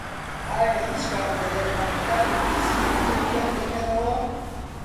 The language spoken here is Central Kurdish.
ئایا هیچ کام لە دەرمانەکان مەترسی مردن کەمدەکەنەوە؟